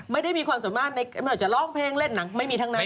ไม่ได้มีความสามารถไม่ว่าจะร้องเพลงเล่นหนังไม่มีทั้งนั้น